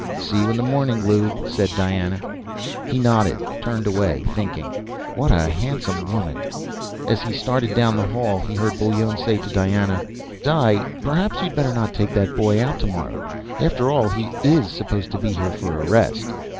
"See you in the morning. Lew," said Diana. He nodded, turned away, thinking: What a handsome woman! As he started down the hall, he heard Bullone say to Diana: "Di, perhaps you'd better not take that boy out tomorrow. After all, he is supposed to be here for a rest."